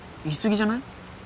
言いすぎじゃない？